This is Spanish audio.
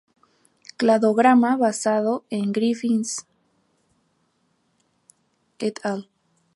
Cladograma basado en Griffiths "et al.